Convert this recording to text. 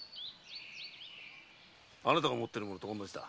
あなたが持ってる物と同じだ。